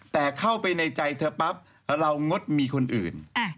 แต่เข้าไปในใจเธอปั๊บเรางดมีคนอื่น